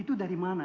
itu dari mana